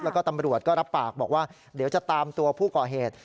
แล้วก็ตำรวจก็รับปากบอกว่าเดี๋ยวจะตามตัวผู้ก่อเหตุ